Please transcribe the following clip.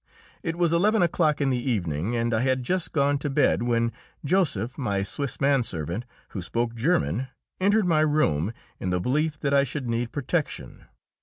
It was eleven o'clock in the evening, and I had just gone to bed, when Joseph, my Swiss man servant, who spoke German, entered my room, in the belief that I should need protection.